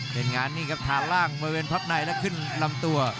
เป็นงานนี่ครับฐานล่างบริเวณพับในและขึ้นลำตัว